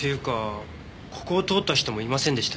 ここを通った人もいませんでしたよ。